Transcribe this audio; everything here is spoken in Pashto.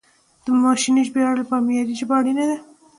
د ماشیني ژباړې لپاره معیاري ژبه اړینه ده.